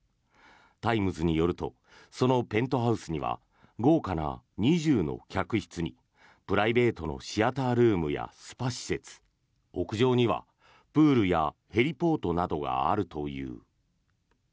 タイムズによるとそのペントハウスには豪華な２０の客室にプライベートのシアタールームやスパ施設屋上には、プールやヘリポートなどがあるという。